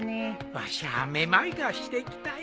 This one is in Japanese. わしゃ目まいがしてきたよ。